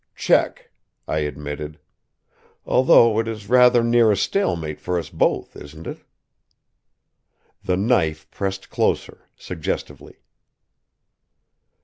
"Check," I admitted. "Although, it is rather near a stalemate for us both, isn't it?" The knife pressed closer, suggestively.